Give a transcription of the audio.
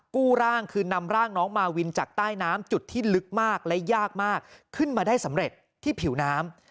กู้ร่างคือนำร่างน้องมาวินจากใต้น้ำจุดที่ลึกมากและยากมากขึ้นมาได้สำเร็จที่ผิวน้ำ